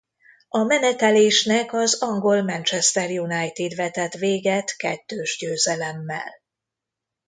A menetelésnek az angol Manchester United vetett végett kettős győzelemmel.